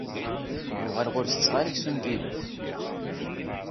Uɣaleɣ ur setteɣ ara aksum n yilef.